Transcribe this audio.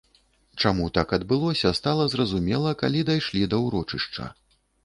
Чаму так адбылося, стала зразумела, калі дайшлі да ўрочышча.